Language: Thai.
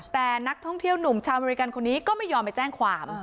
แต่นักท่องเที่ยวหนุ่มชาวอเมริกันคนนี้ก็ไม่ยอมไปแจ้งความ